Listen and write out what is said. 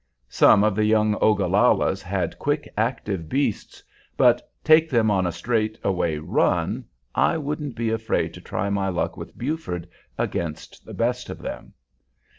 Some of the young Ogallallas had quick, active beasts, but, take them on a straight away run, I wouldn't be afraid to try my luck with Buford against the best of them."